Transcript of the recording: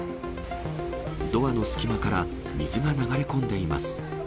ドアの隙間から水が流れ込んでいます。